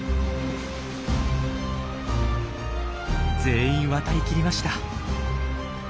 全員渡りきりました。